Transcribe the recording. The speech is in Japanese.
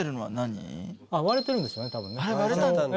割れてるんですよねたぶんね。